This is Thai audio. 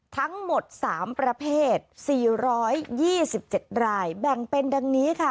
ทั้งหมด๓ประเภท๔๒๗รายแบ่งเป็นดังนี้ค่ะ